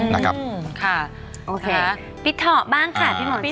ค่ะโอเคปีถอข์บ้างค่ะ